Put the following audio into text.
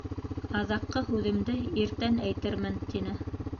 Аҙаҡҡы һүҙемде иртән әйтермен, — тине.